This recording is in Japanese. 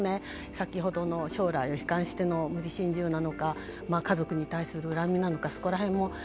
先ほどの将来を悲観しての無理心中なのか家族に対する恨みなのかそこら辺も。